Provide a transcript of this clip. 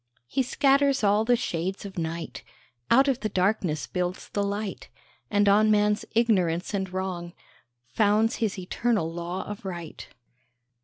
He scatters all the shades of night, Out of the darkness builds the light, And on man's ignorance and wrong Founds his eternal law of right.